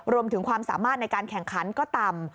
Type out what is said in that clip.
รวมถึงความสามารถในการแข่งขันก็ต่ำ